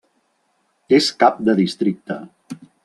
És cap de districte.